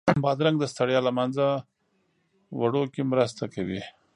بادرنګ د ستړیا له منځه وړو کې مرسته کوي.